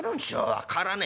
分からねえ。